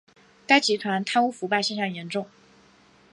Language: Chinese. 该集团贪污腐败现象严重。